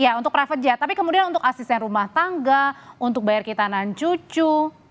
ya untuk private jet tapi kemudian untuk asisten rumah tangga untuk bayar kitanan cucu